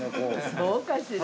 ◆そうかしら？